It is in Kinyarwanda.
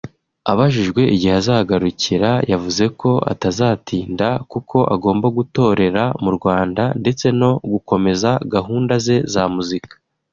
Abajijwe igihe azagarukira yavuze ko atazatinda kuko agomba gutorera mu Rwanda ndetse no gukomeza gahunda ze za muzika